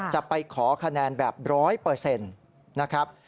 จะไปขอคะแนนแบบ๑๐๐นะครับ